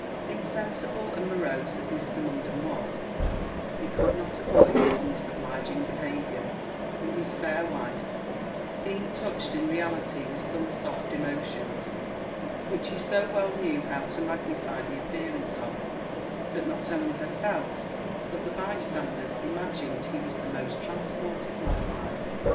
Insensible and morose as Mr. Munden was, he could not avoid, on this obliging behaviour in his fair wife, being touched in reality with some soft emotions, which he so well knew how to magnify the appearance of, that not only herself, but the bye standers, imagined he was the most transported man alive.